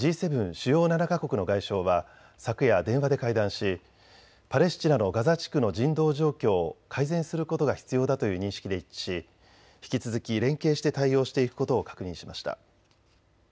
・主要７か国の外相は昨夜、電話で会談しパレスチナのガザ地区の人道状況を改善することが必要だという認識で一致し引き続き連携して対応していくことを確認しました。